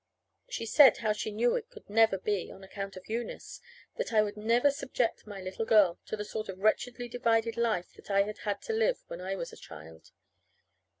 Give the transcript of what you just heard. She said how she knew it could never be on account of Eunice. That I would never subject my little girl to the sort of wretchedly divided life that I had had to live when I was a child.